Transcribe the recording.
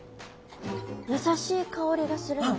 優しい香りがするので。